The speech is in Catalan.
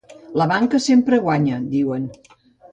La banca sempre guanya, diuen.